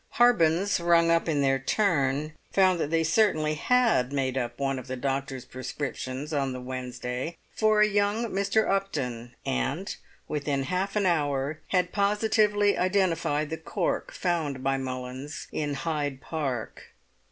Harbens, rung up in their turn, found that they certainly had made up one of the doctor's prescriptions on the Wednesday, for a young Mr. Upton, and, within half an hour, had positively identified the cork found by Mullins in Hyde Park.